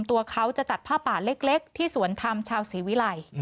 ตัวเขาจะจัดผ้าป่าเล็กที่สวนธรรมชาวศรีวิลัย